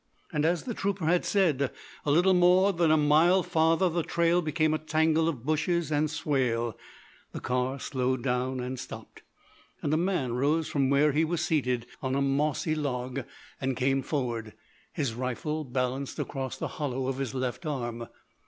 And, as the trooper had said, a little more than a mile farther the trail became a tangle of bushes and swale; the car slowed down and stopped; and a man rose from where he was seated on a mossy log and came forward, his rifle balanced across the hollow of his left arm.